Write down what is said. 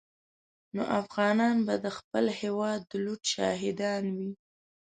نو افغانان به د خپل هېواد د لوټ شاهدان وي.